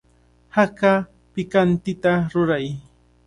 Haka pikantita ruray.